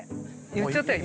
言っちゃったよ